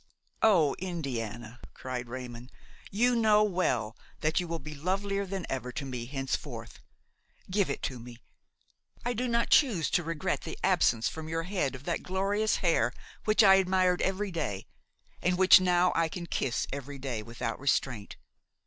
"O Indiana!" cried Raymon, "you know well that you will be lovelier than ever to me henceforth. Give it to me. I do not choose to regret the absence from your head of that glorious hair which I admired every day, and which now I can kiss every day without restraint.